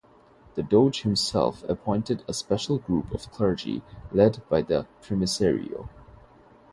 The doge himself appointed a special group of clergy led by the "primicerio".